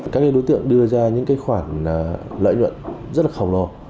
các đối tượng đưa ra những khoản lợi nhuận rất là khổng lồ